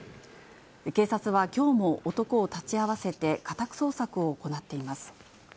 警察はきょうも男を立ち会わせて家宅捜索を行っています。